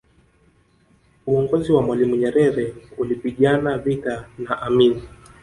uongozi wa mwalimu nyerere ulipigana vita na amini